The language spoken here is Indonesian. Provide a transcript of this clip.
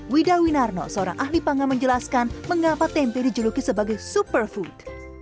wida winarno seorang ahli pangan menjelaskan mengapa tempe dijuluki sebagai superfood